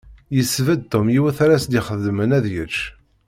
Yesbedd Tom yiwet ara s-d-ixeddmen ad yečč.